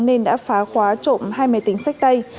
nên đã phá khóa trộm hai máy tính sách tay